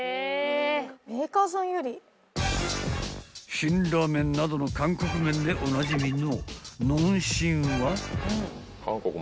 ［辛ラーメンなどの韓国麺でおなじみの］